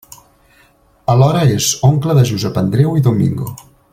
Alhora és oncle de Josep Andreu i Domingo.